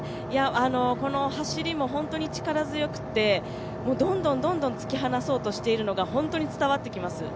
この走りも本当に力強くてどんどん突き放そうとしているのが本当に伝わってきます。